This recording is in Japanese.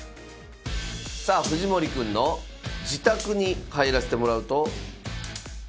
さあ藤森くんの自宅に入らせてもらうと。